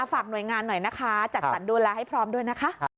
ฝากหน่วยงานหน่อยนะคะจัดสรรดูแลให้พร้อมด้วยนะคะ